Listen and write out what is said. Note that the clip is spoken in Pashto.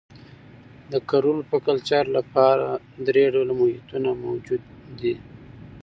د کرلو یا کلچر لپاره درې ډوله محیطونه موجود دي.